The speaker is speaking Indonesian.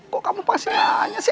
kok kamu pasangannya sih